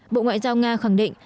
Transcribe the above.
bộ ngoại giao nga khẳng định